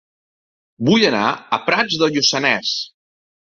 Vull anar a Prats de Lluçanès